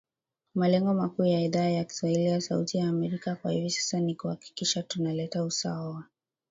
Malengo makuu ya Idhaa ya kiswahili ya Sauti ya Amerika kwa hivi sasa ni kuhakikisha tuna leta usawa wa